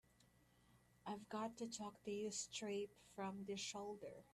I've got to talk to you straight from the shoulder.